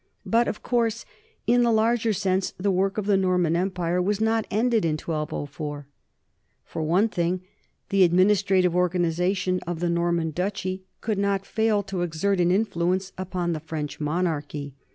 But of course in the larger sense the work of the Norman em pire was not ended in 1204. For one thing, the admin istrative organization of the Norman duchy could not fail to exert an influence upon the French monarchy.